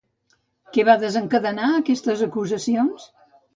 Què va desencadenar aquestes acusacions?